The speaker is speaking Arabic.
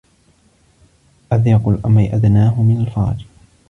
أضيق الأمر أدناه من الفرج